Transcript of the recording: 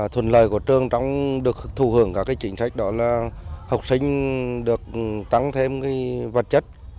thuần lời của trường trong được thù hưởng cả cái chính sách đó là học sinh được tăng thêm vật chất